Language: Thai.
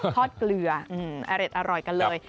ทอดเกลืออร่อยกันเลย